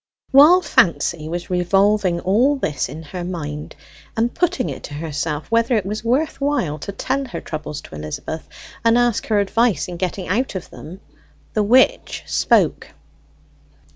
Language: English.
While Fancy was revolving all this in her mind, and putting it to herself whether it was worth while to tell her troubles to Elizabeth, and ask her advice in getting out of them, the witch spoke.